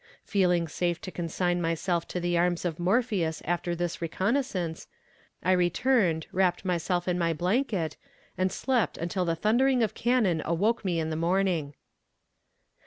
Feeling safe to consign myself to the arms of Morpheus after this reconnoissance, I returned, wrapped myself in my blanket, and slept until the thundering of cannon awoke me in the morning.